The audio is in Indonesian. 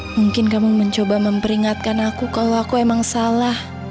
mungkin kamu mencoba memperingatkan aku kalau aku emang salah